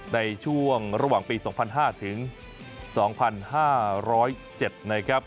ในช่วงระหว่างปี๒๐๐๕ถึง๒๕๐๗นะครับ